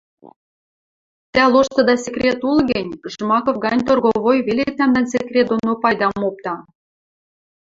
Тӓ лоштыда секрет улы гӹнь, Жмаков гань торговой веле тӓмдӓн секрет доно пайдам опта.